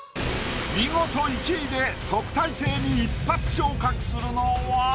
見事１位で特待生に一発昇格するのは？